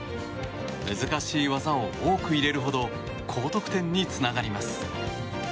難しい技を多く入れるほど高得点につながります。